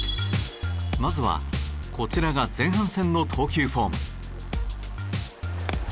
まずはこちらが前半戦の投球フォーム。